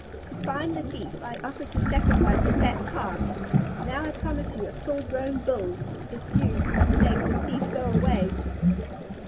To find the thief I offered to sacrifice a fat Calf. Now I promise you a full grown Bull, if you but make the thief go away!"